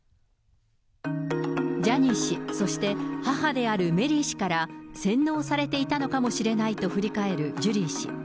ジャニー氏、そして母であるメリー氏から洗脳されていたのかもしれないと振り返るジュリー氏。